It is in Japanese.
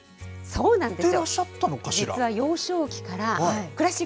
そうなんです。